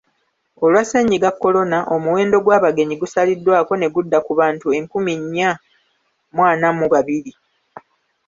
Olwa Ssennyiga Kolona, omuwendo gw'abagenyi gusaliddwako ne gudda ku bantu enkumu nnya mu ana mu babiri.